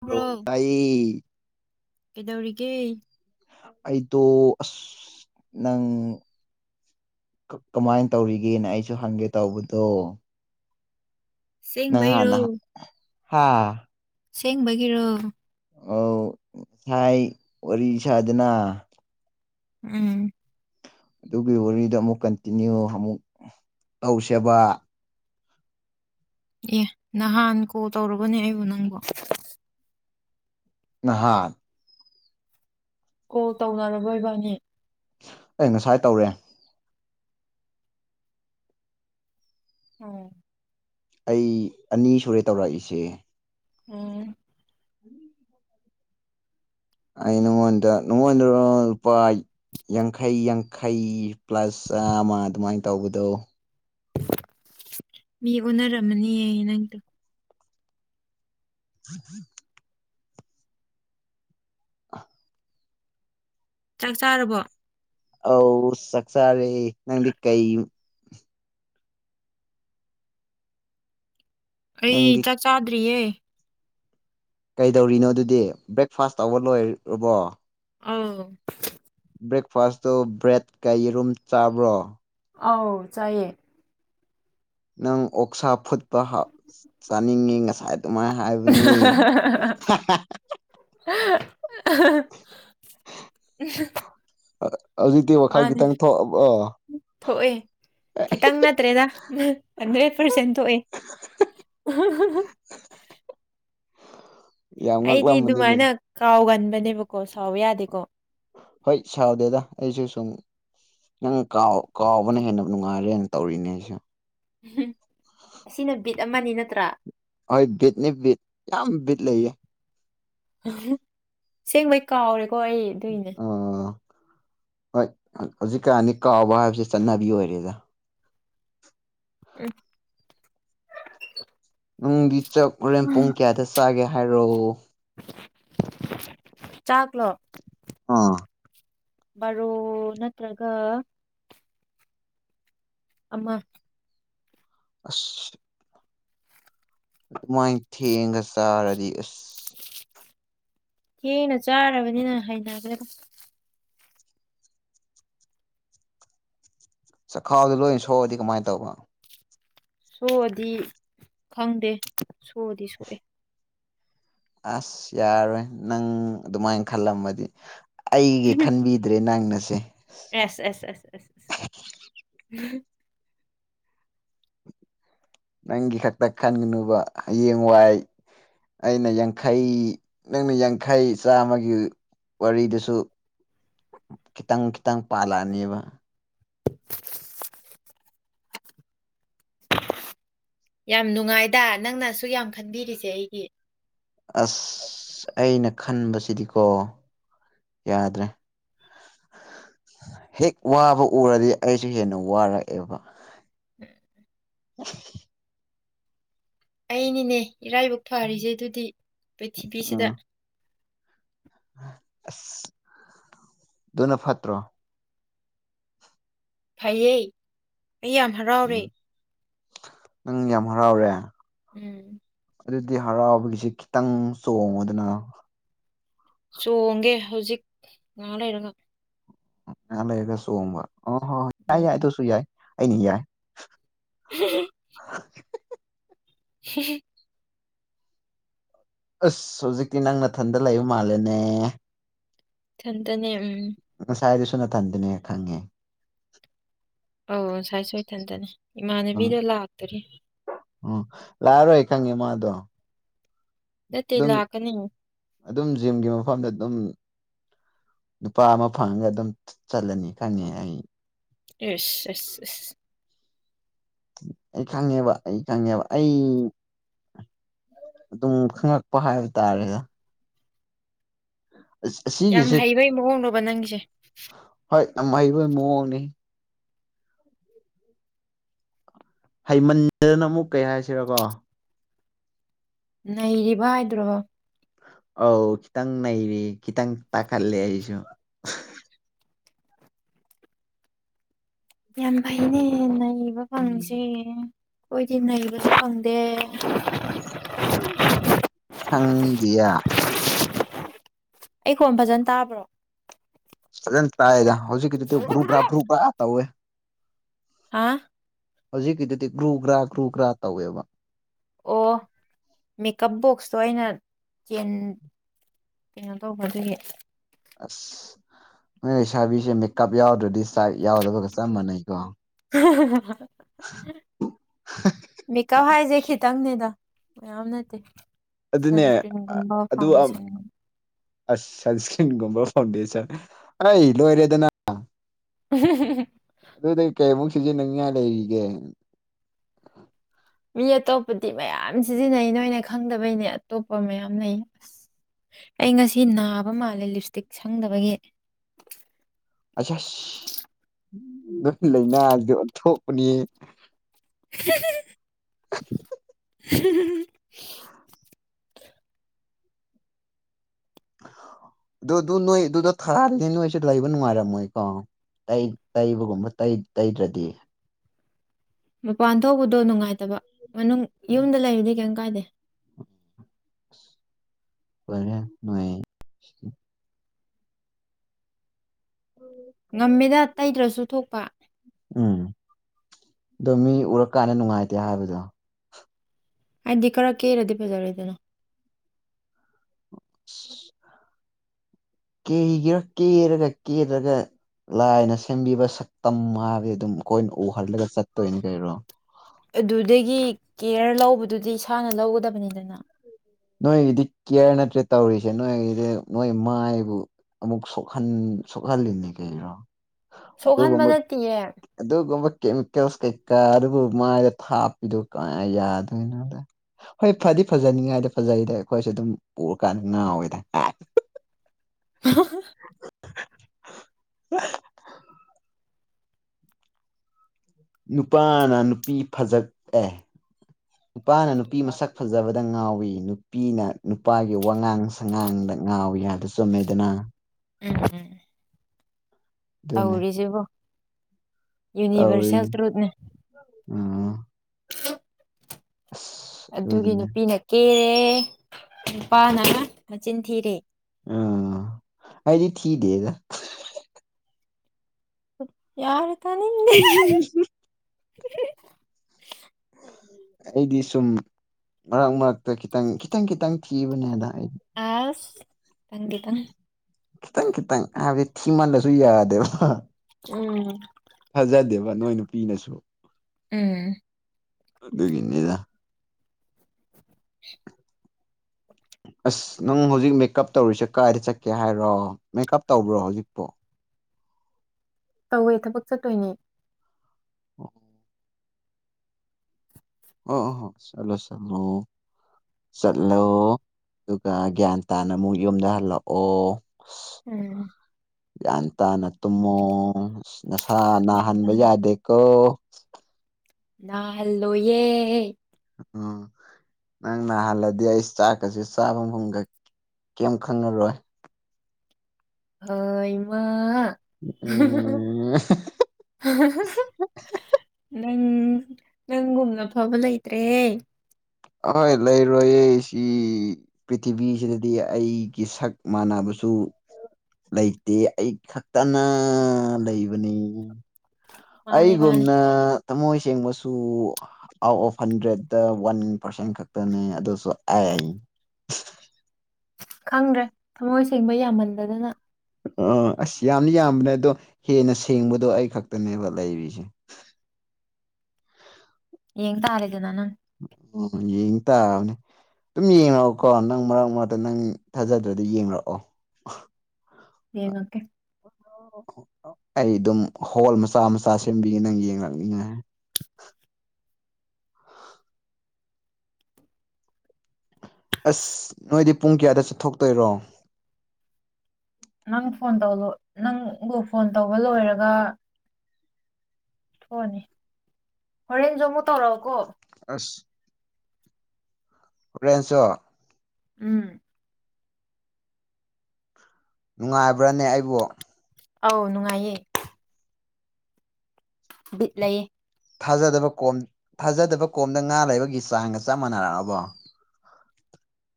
bro ꯂꯣꯛꯇꯥꯏ ꯀꯩꯗꯧꯔꯤꯒꯦ ꯑꯩꯗꯣ ꯑꯁ ꯅꯪ ꯀꯃꯥꯏꯅ ꯇꯧꯔꯤꯒꯦꯅ ꯑꯩꯁꯨ ꯍꯪꯒꯦ ꯇꯧꯕꯗꯣ ꯁꯦꯡꯦꯡ ꯩꯔꯣ ꯍꯥꯥ ꯁꯦꯡꯕꯒꯤꯔꯣ ꯑ ꯁꯥꯏ ꯋꯥꯔꯤ ꯁꯥꯗꯅ ꯎꯝ ꯑꯗꯨꯒꯤ ꯋꯥꯔꯤꯗ ꯑꯃꯨꯛ ꯀꯟꯇꯤꯅ꯭ꯌꯨ ꯑꯃꯨꯛ ꯂꯧꯧꯁꯦꯕ ꯑꯦ ꯅꯍꯥꯟ ꯀꯣꯜ ꯇꯧꯨꯔꯕꯅꯦ ꯑꯩꯕꯨ ꯅꯪꯕꯣ ꯅꯍꯥꯥꯟ ꯀꯣꯜ ꯇꯧꯅꯔꯕꯣꯏꯕꯥꯅꯤ ꯑꯩ ꯉꯁꯥꯏ ꯇꯧꯔꯦ ꯎꯝ ꯑꯩ ꯑꯅꯤ ꯁꯨꯔꯦ ꯇꯧꯔꯛꯏꯁꯦ ꯎ [unintelligible] [inaudible] ꯑꯅꯃ ꯅꯋꯥꯟ ꯔꯨꯄꯥ ꯌꯥꯡꯈꯩ ꯌꯥꯡꯈꯩ ꯄ꯭ꯂꯁ ꯑꯃ ꯑꯗꯨꯃꯥꯏꯅ ꯇꯧꯕꯗꯣ ꯃꯤ ꯎꯅꯔꯝꯃꯅꯤꯌꯦ ꯅꯪꯗꯣ ꯎꯝ ꯎꯝ ꯑ [unintelligible] [inaudible] ꯆꯥꯛ ꯆꯥꯔꯕꯣ ꯑ ꯁꯛꯁꯥꯔꯦ ꯅꯪꯗꯤ ꯀꯩ ꯑꯩ ꯅꯪꯗꯤ ꯆꯥꯛ ꯆꯥꯗ꯭ꯔꯤꯌꯦ ꯀꯩꯗꯧꯔꯤꯅꯣ ꯑꯗꯨꯗꯤ ꯕ꯭ꯔꯦꯛꯐꯥꯁ ꯇꯧꯕ ꯂꯣꯏꯔꯕꯣ ꯑ [unintelligible] [inaudible] ꯕ꯭ꯔꯦꯛꯐꯥꯁꯇꯨ ꯕ꯭ꯔꯦꯗꯀ ꯌꯦꯔꯨꯝ ꯆꯥꯕ꯭ꯔꯣ ꯑꯧ ꯆꯌꯦ ꯅꯪ ꯑꯣꯛꯁꯥ ꯐꯨꯠꯄ ꯍꯥꯞ ꯆꯥꯅꯤꯡꯉꯤ ꯉꯁꯥꯏ ꯇꯨꯃꯥꯏꯅ ꯍꯥꯏꯕꯅꯦ [unintelligible] [inaudible] ꯋꯥꯥꯏ ꯃꯥꯅꯦ ꯒꯤꯈꯤꯇꯪ ꯊ ꯊꯣꯛꯑꯦ ꯈꯤꯇꯪ ꯅꯠꯇ꯭ꯔꯦꯗ ꯍꯟꯗ꯭ꯔꯦꯠ ꯄꯥꯔꯁꯦꯟ ꯊꯣꯛꯑꯦ ꯎ [unintelligible] [inaudible] ꯌꯥꯝ ꯑꯩꯗꯤ ꯉꯛꯂꯝꯕꯅꯤꯅꯦ ꯑꯗꯨꯃꯥꯏꯅ ꯀꯥꯎꯒꯟꯕꯅꯦꯕꯀꯣ ꯁꯥꯎꯕ ꯌꯥꯗꯦꯀꯣ ꯍꯣꯏ ꯁꯥꯎꯗꯦꯗ ꯑꯩꯁꯨ ꯁꯨꯝ ꯅꯪ ꯀꯥꯎ ꯀꯥꯎꯕꯅ ꯍꯦꯟꯅ ꯅꯨꯡꯉꯥꯏꯔꯦꯅ ꯇꯧꯔꯤꯅꯦ ꯑꯩꯁꯨ ꯎ ꯑꯁꯤꯅ ꯕꯤꯠ ꯑꯃꯅꯤ ꯅꯠꯇ꯭ꯔꯥ ꯍꯣꯏ ꯕꯤꯠꯅꯤ ꯕꯤꯠ ꯌꯥꯝ ꯕꯤꯠ ꯂꯩꯌꯦ ꯁꯦꯡꯕꯩ ꯀꯥꯎꯔꯦ ꯑ [unintelligible] [inaudible] ꯍꯣꯏ ꯍꯧꯖꯤꯛ ꯀꯌꯥꯅꯤ ꯀꯥꯎꯕ ꯍꯥꯏꯕꯕꯁꯤ ꯆꯠꯅꯕꯤ ꯑꯣꯏꯔꯦꯗ ꯎꯝ ꯅꯨꯡꯗꯤ ꯆꯥꯛꯂꯣꯔꯦꯟ ꯄꯨꯡ ꯀꯌꯥꯗ ꯆꯥꯒꯦ ꯍꯥꯏꯔꯛꯑꯣ ꯆꯥꯛꯂꯣ ꯑꯥ ꯃꯔꯔꯣ ꯅꯠꯇ꯭ꯔꯒ ꯑꯃ ꯑ [unintelligible] [inaudible] ꯑꯗꯨꯃꯥꯏꯅ ꯊꯦꯡꯒ ꯆꯥꯔꯗꯤ ꯑꯁ ꯊꯦꯡꯅ ꯆꯥꯔꯕꯅꯤꯅ ꯍꯩꯅꯒꯦ ꯑꯗꯨꯝ ꯆꯈꯥꯎꯗꯨꯣ ꯂꯣꯏ ꯁꯣꯛꯑꯗꯤ ꯀꯃꯥꯏꯅ ꯇꯧꯕ ꯁꯣꯗꯤ ꯈꯪꯗꯦ ꯁꯣꯗꯤ ꯁꯣꯛꯑꯦ ꯑꯁ ꯌꯥꯔꯣꯏ ꯅꯪ ꯑꯗꯨꯃꯥꯏꯅ ꯈꯜꯂꯝꯃꯗꯤ ꯑꯩꯒꯤ ꯈꯟꯕꯤꯗ꯭ꯔꯦ ꯅꯪꯅꯁꯦ ꯑꯦꯁ ꯑꯦꯁ ꯑꯦꯁ ꯑꯦꯁ ꯑꯦꯁ ꯅꯪꯒꯤ ꯈꯛꯇ ꯈꯟꯒꯅꯨꯕ ꯍꯌꯦꯡ ꯋꯥꯏ ꯑꯩꯅ ꯌꯥꯡꯈꯩ ꯅꯪꯅ ꯌꯥꯡꯈꯩ ꯆꯥꯝꯃꯒꯤ ꯋꯥꯔꯤꯗꯨꯁꯨ ꯈꯤꯇꯪ ꯈꯤꯇꯪ ꯄꯥꯜꯂꯛꯑꯅꯦꯕ ꯌꯥꯝ ꯅꯨꯡꯉꯥꯏꯗ ꯅꯪꯅꯁꯨꯛ ꯌꯥꯝ ꯈꯟꯕꯤꯔꯤꯁꯦ ꯑꯩꯒꯤ ꯑꯁ ꯑꯩꯅ ꯈꯟꯕꯁꯤꯗꯤꯀꯣ ꯌꯥꯗ꯭ꯔꯦ ꯍꯦꯛ ꯋꯥꯕ ꯎꯔꯗꯤ ꯑꯩꯁꯨ ꯍꯦꯟꯅ ꯋꯥꯔꯛꯑꯦꯕ [unintelligible] [unintelligible] ꯑꯩꯅꯤꯅꯦ ꯏꯔꯥꯏꯕꯧ ꯐꯔꯤꯁꯦ ꯑꯗꯨꯗꯤ ꯄ꯭ꯤꯔꯤꯊꯤꯕꯤꯁꯤꯗ ꯎꯝ ꯑꯁ ꯑꯗꯨꯅ ꯐꯠꯇ꯭ꯔꯣ ꯐꯩꯌꯦ ꯑꯩ ꯌꯥꯝ ꯍꯔꯥꯎꯔꯦ ꯎꯝ ꯅꯪ ꯌꯥꯝ ꯍꯔꯥꯎꯔꯦ ꯎꯝ ꯑꯗꯨꯗꯤ ꯍꯔꯥꯎꯕꯒꯤꯁꯦ ꯈꯤꯇꯪ ꯆꯣꯡꯉꯨꯗꯅ ꯆꯣꯡꯒꯦ ꯍꯧꯖꯤꯛ ꯉꯍꯥꯛ ꯂꯩꯔꯒ ꯉ ꯂꯩꯔꯒ ꯁꯨꯍꯕ ꯑꯣ ꯍꯣ ꯍ ꯌꯥꯏ ꯎꯝ ꯌꯥꯏ ꯑꯗꯨꯁꯨ ꯌꯥꯏ ꯑꯩꯅ ꯌꯥꯏ ꯎꯝ ꯍ ꯑꯁ ꯍꯧꯖꯤꯛꯇꯤ ꯅꯪ ꯃꯊꯟꯗ ꯂꯩꯕ ꯃꯥꯜꯂꯦꯅꯦ ꯊꯟꯇꯅꯦ ꯎꯝ ꯆꯥꯏꯗꯨꯁꯨ ꯅ ꯊꯥꯟꯗꯅꯦ ꯈꯪꯉꯦ ꯑꯧ ꯉꯥꯏ ꯁꯣꯏꯊꯟꯗꯅꯦ ꯎꯝ ꯏꯃꯥꯟꯅꯕꯤꯗꯣ ꯂꯥꯛꯇꯔꯤ ꯎꯝ ꯂꯥꯛꯑꯔꯣꯏ ꯈꯪꯉꯦ ꯃꯥꯗꯣ ꯅꯠꯇ ꯑꯗꯨꯝ ꯂꯥꯛꯀꯅꯤ ꯑꯗꯨꯝ ꯖꯤꯝꯒꯤ ꯃꯐꯝꯗ ꯑꯗꯨꯝ ꯅꯨꯄꯥ ꯑꯃ ꯐꯪꯉꯒ ꯑꯗꯨꯝ ꯆꯠꯂꯅꯤ ꯈꯪꯉꯦ ꯑꯩ ꯌꯦꯁ ꯑꯦꯁ ꯑꯦꯁ ꯑꯩ ꯈꯪꯉꯦꯕ ꯑꯩ ꯈꯪꯉꯦꯕ ꯑꯩ ꯑꯗꯨꯝ ꯈꯪꯂꯛꯄ ꯍꯥꯏꯕ ꯇꯥꯔꯦꯗ ꯌꯥꯝ ꯑꯁꯤꯒꯤꯁꯦ ꯍꯩꯕꯩ ꯃꯑꯣꯣꯡꯗꯣꯕ ꯅꯪꯒꯤꯁꯦ ꯍꯣꯏ ꯌꯥꯝ ꯃꯩꯕ ꯃꯑꯣꯡꯅꯤ ꯍꯩꯃꯟꯗꯅ ꯑꯃꯨꯛ ꯀꯩ ꯍꯥꯏꯁꯤꯔꯀꯣ ꯂꯩꯔꯤꯕ ꯍꯥꯏꯗ꯭ꯔꯣ ꯑ ꯈꯤꯇꯪ ꯅꯩꯔꯤ ꯈꯤꯇꯪ ꯇꯥꯈꯠꯂꯦ ꯑꯩꯁꯨ ꯌꯥꯝ ꯐꯩꯅꯦ ꯅꯩꯕ ꯐꯪꯁꯦ ꯑꯩꯣꯏꯗꯤ ꯅꯩꯕꯁꯨ ꯐꯪꯗꯦ ꯑꯦ ꯈꯪꯗꯌꯥ ꯑꯩ ꯀꯣꯟ ꯐꯖꯅ ꯇꯥꯕ꯭ꯔꯣ ꯁꯖ ꯇꯥꯥꯏꯗ ꯍꯧꯖꯤꯛ ꯀ ꯭ꯔꯨꯕ ꯔꯥꯄ꯭ꯔꯨꯕ ꯍꯦ ꯍꯥꯥ ꯍꯧꯖꯤꯛꯀꯤꯗꯨꯗꯤ ꯒ꯭ꯔꯨ ꯒ꯭ꯔꯥ ꯒ꯭ꯔꯨ ꯒ꯭ꯔꯥ ꯇꯧꯋꯦꯕ ꯑꯣ ꯃꯦꯀꯞ ꯕꯣꯛꯁꯇꯣ ꯑꯩꯅ ꯆꯦꯟ ꯀꯩꯅꯣ ꯇꯧꯕꯗꯨ ꯑꯁ ꯅꯣꯏꯁꯥꯕꯤꯁꯦ ꯃꯦꯀꯞ ꯌꯥꯎꯔꯗ꯭ꯔꯗꯤ ꯆꯥꯛ ꯌꯥꯎꯗꯕꯒ ꯆꯞ ꯃꯥꯟꯅꯩꯀꯣ ꯃꯦꯀꯞ ꯍꯥꯏꯁꯦ ꯈꯤꯇꯪꯅꯦꯗ ꯃꯌꯥꯝ ꯅꯠꯇꯦ ꯑꯗꯨꯅꯦ ꯁꯟꯁꯀ꯭ꯔꯤꯟꯒꯨꯝꯕ ꯐꯥꯎꯟꯗꯦꯁꯟꯒꯨꯝ ꯑꯁꯟ ꯁꯀꯟꯒꯨꯝꯕ ꯐꯥꯎꯟꯗꯦꯁ ꯑ ꯍꯤꯂꯣ ꯑꯦꯔꯤꯌꯥꯗꯅ ꯑꯗꯨꯗ ꯀꯩꯕꯨ ꯅꯉ ꯂꯩꯒꯦ ꯃꯤ ꯑꯇꯣꯞꯄꯗꯤ ꯃꯌꯥꯝ ꯁꯤꯖꯤꯟꯅꯩ ꯅꯣꯏꯅ ꯈꯪꯗꯕꯩꯅꯦ ꯑꯇꯣꯞꯄ ꯃꯌꯥꯝ ꯂꯩ ꯑꯁ ꯑꯩ ꯉꯁꯤ ꯅꯥꯕ ꯃꯥꯜꯂꯦ ꯂꯤꯞ ꯏꯁꯇꯤꯛ ꯁꯪꯗꯕꯒꯤ [unintelligible] ꯑꯁ ꯑꯁꯣꯏ ꯂꯥꯏꯅꯥꯗ ꯑꯣꯟꯊꯣꯛꯄꯅꯤ [unintelligible] [unintelligible] [unintelligible] ꯑꯗꯨ ꯑꯗꯨ ꯅꯣꯏ ꯑꯗꯨꯗꯣ ꯊꯥꯜꯂꯤꯅꯤ ꯅꯣꯏꯁꯨ ꯂꯩꯕ ꯅꯨꯡꯉꯥꯏꯔꯝꯃꯣꯏꯀꯣ ꯇ ꯇꯩꯕꯒꯨꯝꯕ ꯇꯩꯗ꯭ꯔꯗꯤ ꯃꯄꯥꯟ ꯊꯧꯕꯗꯣ ꯅꯨꯡꯉꯥꯏꯇꯕ ꯃꯅꯨꯡ ꯌꯨꯝꯗ ꯂꯩꯔꯤꯗꯤ ꯀꯩꯝ ꯀꯥꯏꯗꯦ ꯀꯦ ꯅꯨꯡ ꯉꯝꯃꯦꯗ ꯇꯩꯗ꯭ꯔꯁꯨ ꯊꯣꯛꯄ ꯎꯝ ꯑꯗꯣ ꯃꯤ ꯎꯔꯀꯥꯟꯗ ꯅꯨꯡꯉꯥꯏꯇꯦ ꯍꯥꯏꯕꯗꯣ ꯍꯥꯏꯗꯤ ꯈꯔ ꯀꯦꯔꯗꯤ ꯐꯖꯔꯣꯏꯏꯗꯅꯣ ꯀꯦꯒꯦꯔ ꯀꯦꯔꯒ ꯀꯦꯔꯒ ꯂꯥꯏꯅ ꯁꯦꯝꯕꯤꯕ ꯁꯛꯇꯝ ꯍꯥꯏꯕꯗꯤ ꯑꯗꯨꯝ ꯑꯩꯈꯣꯏꯅ ꯎꯍꯜꯂꯒ ꯆꯠꯇꯣꯏꯅꯤ ꯀꯩꯔꯣ ꯑꯗꯨꯗꯒꯤ ꯀꯦꯌꯔ ꯂꯧꯕꯗꯨꯗꯤ ꯏꯁꯥꯅ ꯂꯧꯒꯗꯕꯅꯤꯗꯅ ꯅꯣꯏꯒꯤꯗꯤ ꯀꯦꯌꯔ ꯅꯠꯇ꯭ꯔꯦ ꯇꯧꯔꯤꯁꯦ ꯅꯣꯏꯒꯤꯗꯤ ꯅꯣꯏ ꯃꯥꯏꯕꯨ ꯑꯃꯨꯛ ꯁ ꯁꯣꯛꯍꯜꯂꯤꯅꯤ ꯀꯔꯣ ꯁꯣꯛꯍꯟꯕ ꯑꯗꯨꯒꯨꯝꯕꯥ ꯅꯠꯇꯤꯌꯦ ꯑꯗꯨ ꯀꯝꯕ ꯀꯦꯃꯤꯀꯦꯜꯁ ꯀꯩꯀꯥ ꯑꯗꯨꯕꯨ ꯃꯥꯏꯗ ꯊꯥꯞꯄꯤꯗꯨꯣ ꯀꯌꯥ ꯌꯥꯗꯣꯏꯅꯣꯗ ꯍꯣꯏ ꯐꯗꯤ- ꯁꯤ ꯐꯖꯅꯤꯡꯉꯥꯏꯗꯤ ꯐꯖꯩꯗ ꯑꯩꯈꯣꯏꯁꯨ ꯑꯗꯨꯝ ꯄꯨꯔꯀꯥꯟꯗ ꯉꯥꯎꯋꯤꯗ [unintelligible] [unintelligible] ꯅꯨꯄꯥꯅ ꯅꯨꯄꯤ ꯐꯖꯛꯑꯦ ꯅꯨꯄꯥꯅ ꯅꯨꯄꯤ ꯃꯁꯛ ꯐꯖꯕꯗ ꯉꯥꯎꯏꯤ ꯅꯨꯄꯤꯅ ꯅꯨꯄꯥꯒꯤ ꯋꯥꯉꯥꯡ ꯁꯉꯥꯡꯗ ꯉꯥꯎꯋ ꯍꯥꯏꯗꯨ ꯆꯨꯝꯃꯦꯗꯅ ꯎꯝ ꯑꯗꯨꯅꯦ ꯇꯧꯔꯤꯁꯤꯕꯣ ꯌꯨꯅꯤꯚꯔꯁꯦꯜ ꯇꯧꯔꯤꯅꯦ ꯇ꯭ꯔꯨꯠꯅꯦ ꯑꯥ ꯑꯁ ꯑꯗꯨꯒꯤ ꯑꯗꯨꯗꯨꯅꯦ ꯅꯨꯄꯤꯅ ꯀꯦꯔꯦ ꯅꯨꯄꯥꯅ ꯃꯆꯤꯟ ꯊꯤꯔꯦ ꯑ ꯑꯩꯗꯤ ꯊꯗꯦꯒ ꯌꯥꯔ ꯇꯅꯤꯗꯦ ꯑꯩꯗꯤ ꯁꯨꯝ ꯃꯔꯛ ꯃꯔꯛꯇ ꯈꯤꯇꯪ ꯈꯤꯇꯪ ꯈꯤꯇꯪ ꯊꯤꯕꯅꯦ ꯑꯗ ꯑꯁ ꯇꯪꯒꯤ ꯇꯪ ꯈꯤꯇꯪ ꯈꯤꯇꯪ ꯍꯥꯏꯗꯤ ꯊꯤꯃꯜꯂꯁꯨ ꯌꯥꯗꯦꯕ ꯎꯝ ꯑꯗꯨꯒ ꯅꯣꯏ ꯅꯨꯄꯤꯅꯁꯨ ꯎꯝ ꯗꯒꯤꯅꯦꯗ [unintelligible] ꯑꯁ ꯅꯪ ꯍꯧꯖꯤꯛ ꯃꯦꯀꯞ ꯇꯧꯔꯤꯁꯦ ꯀꯥꯏꯗ ꯆꯠꯀꯦ ꯍꯥꯏꯔꯣ ꯃꯦꯀꯞ ꯇꯧꯕ꯭ꯔꯣ ꯍꯧꯖꯤꯛꯄꯣ ꯇꯧꯋꯦ ꯊꯕꯛ ꯆꯠꯇꯣꯏꯅꯦ ꯑꯣ ꯑꯣ ꯍ ꯆꯂꯣ ꯆꯂꯣ ꯆꯠꯂꯣ ꯑꯗꯨꯒ ꯒ꯭ꯌꯥꯟ ꯇꯥꯅ ꯑꯃꯨꯛ ꯌꯨꯝꯗ ꯍꯜꯂꯛꯑꯣ ꯎꯝ ꯒ꯭ꯌꯥꯟ ꯇꯥꯅ ꯇꯨꯝꯃꯣ ꯅꯁꯥ ꯒ꯭ꯌꯥꯟ ꯇꯥ ꯅꯥꯍꯟꯕ ꯌꯥꯗꯦꯀꯣ [unintelligible] ꯅꯜꯂꯣꯌꯦ ꯑꯣ ꯅꯪ ꯅꯍꯥꯟꯜꯂꯗꯤ ꯑꯩ ꯆꯥꯛꯀꯁꯤ ꯆꯥꯕ ꯃꯐꯝꯒ ꯀꯩꯝ ꯈꯪꯉꯔꯣꯏ ꯍꯃ ꯎꯝ [unintelligible] ꯅꯪ ꯅꯪꯒꯨꯝꯅ ꯐꯕ ꯂꯩꯇ꯭ꯔꯦ ꯍꯣꯏ ꯂꯩꯔꯣꯏꯌꯦ ꯁꯤ ꯄ꯭ꯔꯤꯊꯤꯕꯤꯁꯤꯗꯗꯤ ꯑꯩꯒꯤ ꯁꯛ ꯃꯥꯟꯅꯕ ꯨ ꯂꯩꯇꯦ ꯑꯩ ꯈꯛꯇꯅ ꯂꯩꯕꯅꯤ ꯃꯥꯅꯦ ꯃꯥꯅꯦ ꯑꯩꯒꯨꯝꯅ ꯊꯃꯣꯏ ꯁꯦꯡꯕꯁꯨ ꯑꯥꯎꯠ ꯑꯣꯐ ꯍꯟꯗ꯭ꯔꯦꯗꯠꯇ ꯋꯥꯟ ꯄꯥꯔꯁꯦꯟ ꯈꯛꯇꯅꯦ ꯑꯗꯨꯁꯨ ꯑꯦ ꯇ ꯈꯪꯗ꯭ꯔꯦ ꯊꯃꯣꯏ ꯁꯦꯡꯕ ꯌꯥꯝꯃꯟꯗꯗꯅ ꯑꯥ ꯑꯁ ꯌꯥꯝꯅ ꯌꯥꯝꯕꯅꯦ ꯑꯗꯣ ꯍꯦꯟꯅ ꯁꯦꯡꯕꯗꯣ ꯑꯩ ꯈꯛꯇꯅꯦꯕ ꯂꯩꯔꯤꯁꯦ [unintelligible] ꯌꯦꯡ ꯇ ꯍꯥꯔꯗ ꯅꯅ ꯑꯣ ꯌꯦꯡ ꯇꯅꯦ ꯑꯗꯨꯝ ꯌꯦꯡꯉꯛꯑꯣꯀꯣ ꯅꯪ ꯃꯔꯛ ꯃꯔꯛꯇ ꯅꯪ ꯊꯥꯖꯗ꯭ꯔꯗꯤ ꯌꯦꯡꯂꯡꯛꯑꯣ ꯌꯦꯉꯀꯦ ꯑꯩ ꯑꯗꯨꯝ ꯍꯣꯜ ꯃꯆꯥ ꯃꯆꯥ ꯁꯦꯝꯕꯤꯒꯦ ꯅꯪ ꯌꯦꯡꯂꯛꯅꯤꯉꯥꯏ [unintelligible] ꯑꯁ ꯅꯣꯏꯗꯤ ꯄꯨꯡ ꯀꯌꯥꯗ ꯆꯠꯊꯣꯛꯇꯣꯏꯔꯣ ꯅꯪ ꯐꯣꯟ ꯅꯪꯕꯨ ꯐꯣꯟ ꯇꯧꯕ ꯂꯣꯏꯔꯒ ꯊꯣꯅꯦ ꯍꯣꯔꯦꯟꯁꯨ ꯑꯃꯨꯛ ꯇꯧꯔꯛꯑꯣꯀꯣ [unintelligible] ꯔꯦꯟꯁꯣ ꯎꯝ ꯅꯨꯡꯉꯥꯏꯕ꯭ꯔꯥꯅꯦ ꯑꯩꯕꯨ ꯑꯧ ꯅꯨꯡꯉꯥꯏꯌꯦ ꯕꯤꯠꯂꯌꯦ ꯊꯥꯖꯗꯕ ꯀꯣꯝ ꯊꯥꯖꯗꯕ ꯀꯣꯝꯗ ꯉꯥ ꯂꯩꯕꯒꯤ ꯆꯥꯡꯒ ꯆꯞ ꯃꯥꯟꯅꯔꯛꯂꯕꯣ [unintelligible]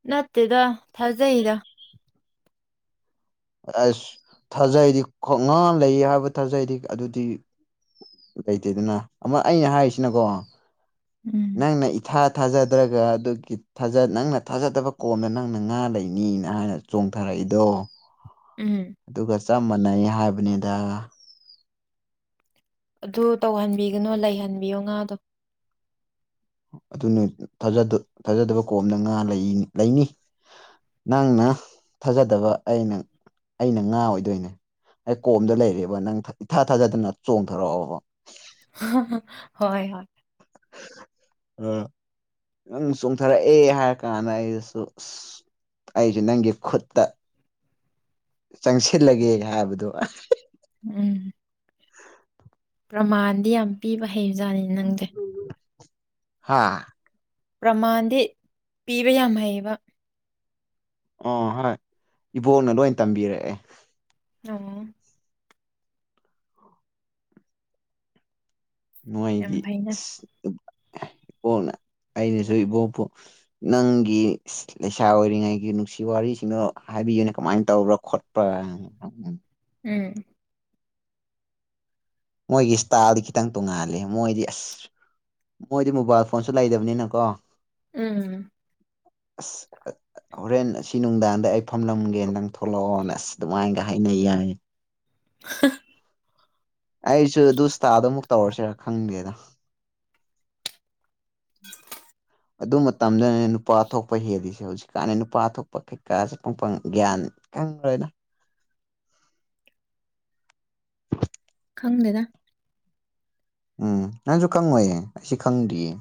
ꯅꯠꯇꯦꯗ ꯊꯥꯖꯩꯗ ꯑꯁ ꯊꯥꯖꯩꯗꯤ ꯈꯣꯡꯉꯥꯡ ꯂꯩ ꯍꯥꯏꯕ ꯊꯥꯖꯩꯗꯤ ꯑꯗꯨꯗꯤ ꯂꯩꯇꯦ ꯑꯗꯨꯅ ꯑꯃꯨꯛ ꯑꯩꯅ ꯍꯥꯏꯔꯤꯁꯤꯅꯀꯣ ꯎꯝ ꯅꯪꯅ ꯏꯊꯥ ꯊꯥꯖꯗ꯭ꯔꯒ ꯑꯗꯨꯒꯤ ꯅꯪꯅ ꯊꯥꯖꯗꯕ ꯀꯣꯝꯗ ꯅꯪꯅ ꯉꯥ ꯂꯩꯅꯤꯅ ꯍꯥꯏꯅ ꯆꯣꯡꯊꯔꯛꯏ ꯑꯩꯗꯣ ꯎꯝ ꯑꯗꯨꯒ ꯆꯞ ꯃꯥꯟꯅꯩ ꯍꯥꯏꯕꯅꯤꯗ ꯑꯗꯨ ꯇꯧꯍꯟꯕꯤꯒꯅꯨ ꯂꯩꯍꯟꯕꯤꯌꯣ ꯉꯥꯗꯣ ꯑꯗꯨ ꯊꯥꯖꯗꯕ ꯀꯣꯝꯅ ꯉꯥ ꯂꯩꯅꯤ ꯅꯪꯅ ꯊꯥꯖꯗꯕ ꯑꯩꯅ ꯑꯩꯅ ꯉꯥ ꯑꯣꯏꯗꯣꯏꯅꯦ ꯑꯩ ꯀꯣꯝꯗ ꯂꯩꯔꯦꯕ ꯅꯪ ꯏꯊꯥ ꯊꯥꯖꯗꯅ ꯆꯣꯡꯊꯔꯛꯑꯣꯕ ꯍꯣꯏ ꯍꯣꯏ ꯎꯝ ꯅꯪ ꯆꯣꯡꯊꯔꯛꯑꯦ ꯍꯥꯏꯔ ꯀꯥꯟꯗ ꯑꯩꯗꯁꯨ ꯑꯁ ꯑꯩꯁꯨ ꯅꯪꯒꯤ ꯈꯨꯠꯇ ꯆꯪꯁꯤꯜꯂꯒꯦ ꯍꯥꯏꯕꯗꯣ ꯎꯝ ꯄ꯭ꯔꯃꯥꯟꯗꯤ ꯌꯥꯝ ꯄꯤꯕ ꯍꯥꯏ ꯍꯩꯕ ꯖꯥꯠꯅꯤꯅꯦ ꯅꯪꯗꯤꯦ ꯍꯥꯥ ꯄꯃꯗꯦ ꯄꯤꯕꯌꯥꯃꯏ ꯑ ꯍꯣꯏ ꯏꯕꯣꯛꯅ ꯂꯣꯏ ꯇꯝꯕꯤꯔꯛꯑꯦ ꯎꯝ ꯌꯥꯝ ꯅꯣꯏꯒꯤ ꯐꯩꯅ ꯑ ꯏꯄꯣꯅ ꯑꯩꯅꯁꯨ ꯏꯕꯣꯄ ꯅꯪꯒꯤ ꯂꯩꯁꯥ ꯑꯣꯏꯔꯤꯉꯩꯒꯤ ꯅꯨꯡꯁꯤ ꯋꯥꯔꯤꯁꯤꯡꯅꯣ ꯍꯥꯏꯕꯤꯌꯨꯅꯦ ꯀꯃꯥꯏꯅ ꯇꯧꯕ꯭ꯔꯥ ꯈꯣꯠꯄ꯭ꯔꯥ ꯎꯝ ꯃꯣꯏꯒꯤ ꯏꯁꯇꯥꯏꯜꯗꯤ ꯈꯤꯇꯪ ꯇꯣꯡꯉꯥꯂꯦ ꯃꯣꯏꯗꯤ ꯑꯁ ꯃꯣꯏꯗꯤ ꯃꯣꯕꯥꯏꯜ ꯐꯣꯟꯁꯨ ꯂꯩꯗꯕꯅꯤꯅꯀꯣ ꯎꯝ ꯑꯁ ꯑ ꯍꯣꯔꯦꯟ ꯑꯁꯤ ꯅꯨꯡꯗꯥꯡꯗ ꯑꯩ ꯐꯝꯂꯝꯒꯦ ꯅꯪ ꯊꯣꯛꯂꯣꯛꯑꯣꯅ ꯑꯁ ꯑꯗꯨꯃꯥꯏꯅꯒ ꯍꯥꯏꯅꯩꯌꯦ ꯑꯍꯍ ꯑꯩꯁꯨ ꯗꯨ ꯁꯇꯥꯗꯨꯃꯨꯛ ꯇꯧꯔꯁꯤꯔ ꯈꯪꯗꯦꯗ ꯑꯟꯑꯣꯗꯤꯕꯜ ꯑꯗꯨ ꯃꯇꯝꯗ ꯅꯨꯄꯥ ꯑ ꯊꯣꯛꯄ ꯍꯦꯜꯂꯤꯁꯦ ꯍꯧꯖꯤꯛꯀꯥꯟꯅ ꯅꯨꯄꯥ ꯑꯊ ꯊꯣꯛꯄ ꯀꯩꯀꯥꯁꯦ ꯄꯪꯄ ꯒ꯭ꯌꯥꯟ ꯑꯝ ꯈꯪꯗ꯭ꯔꯦꯗ ꯈꯪꯗꯦꯗ ꯎꯝ ꯅꯪꯁꯨ ꯈꯪꯉꯣꯏꯌꯦ ꯑꯩꯁꯨ ꯈꯪꯗꯦꯌꯦ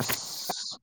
ꯑꯁ